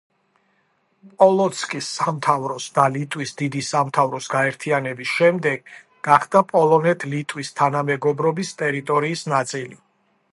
პოლოცკის სამთავროს და ლიტვის დიდი სამთავროს გაერთიანების შემდეგ გახდა პოლონეთ-ლიტვის თანამეგობრობის ტერიტორიის ნაწილი.